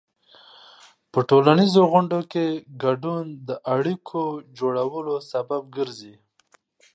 په ټولنیزو غونډو کې ګډون د اړیکو جوړولو سبب ګرځي.